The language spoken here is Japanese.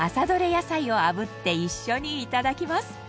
野菜をあぶって一緒にいただきます。